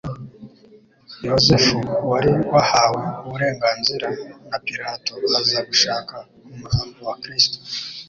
Yosefu wari wahawe uburenganzira na Pilato aza gushaka umurambo wa Kristo,